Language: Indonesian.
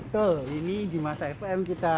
betul ini di masa fm kita